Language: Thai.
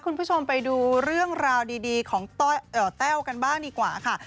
คุณผู้ชมไปดูเรื่องราวดีของแต้วกันบ้างดีกว่าค่ะ